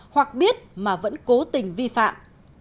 hoặc biết mà vẫn cố tình vi phạm